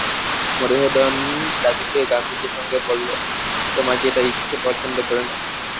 মধুসূদন রাজকীয় গাম্ভীর্যের সঙ্গে বললে, তোমার যেটা ইচ্ছে পছন্দ করে নাও।